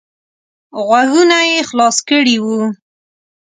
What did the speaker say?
غوږونه یې خلاص کړي وو.